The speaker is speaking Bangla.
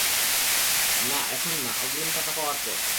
নাহ এখন না, অগ্রিম টাকা পাওয়ার পর।